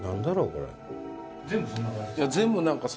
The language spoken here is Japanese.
これ。